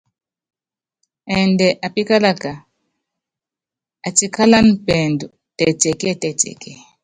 Ɛɛndɛ apíkálaka, atíkálána pɛɛdu tɛtiɛkíɛtɛtiɛkiɛ.